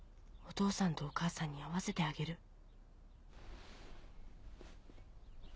お父さんとお母さんに会わせてあげる。